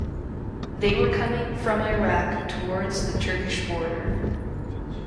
They were coming from Iraq towards the Turkish border.